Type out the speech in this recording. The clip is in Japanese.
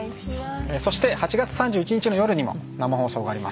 そして８月３１日の夜にも生放送があります。